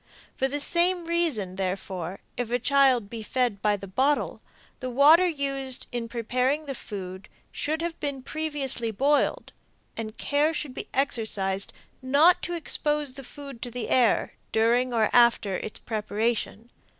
For the same reason, therefore, if a child be fed by the bottle, the water used in preparing the food should have been previously boiled, and care should be exercised not to expose the food to the air during or after its preparation.